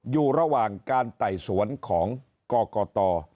อยู่ระหว่างการไต่สวนของกรกต